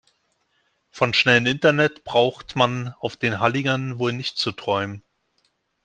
Von schnellem Internet braucht man auf den Halligen wohl nicht zu träumen.